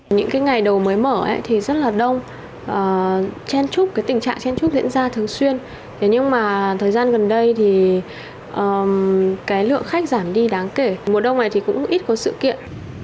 những ngày đầu mới mở thì rất là đông tình trạng chen chúc diễn ra thường xuyên nhưng mà thời gian gần đây thì lượng khách giảm đi đáng kể mùa đông này thì cũng ít có sự kiện